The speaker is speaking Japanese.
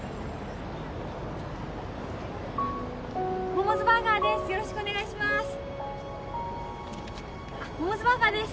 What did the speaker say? モモズバーガーです